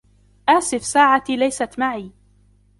آسف ساعتي ليست معي.